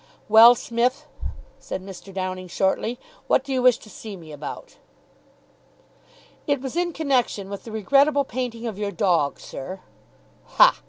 "Well, Smith," said Mr. Downing shortly, "what do you wish to see me about?" "It was in connection with the regrettable painting of your dog, sir." "Ha!"